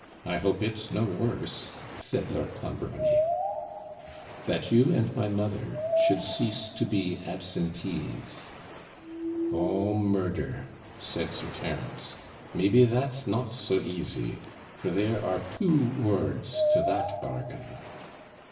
I hope it's no worse,' said Lord Clonbrony. 'That you and my mother should cease to be absentees.' 'Oh murder!' said Sir Terence; 'maybe that's not so easy; for there are two words to that bargain.'